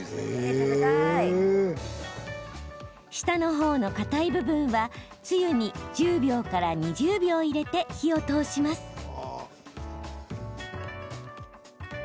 下のほうのかたい部分はつゆに１０秒から２０秒入れて火を通します。